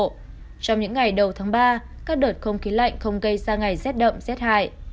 trong những ngày đầu tháng ba các đợt không khí lạnh không gây ra ngày xét đậm xét hại